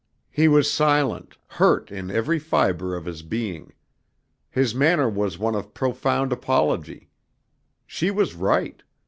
He was silent, hurt in every fibre of his being. His manner was one of profound apology. She was right.